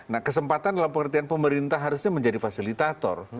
nah kesempatan dalam pengertian pemerintah harusnya menjadi fasilitator